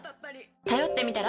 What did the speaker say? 頼ってみたら？